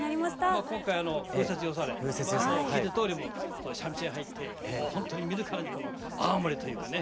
今回「風雪よされ」聞いたとおり三味線入ってほんとに見るからに青森というかね